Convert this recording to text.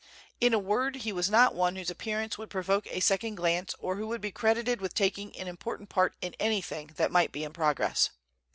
In a word, he was not one whose appearance would provoke a second glance or who would be credited with taking an important part in anything that might be in progress.